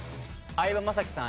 相葉雅紀さん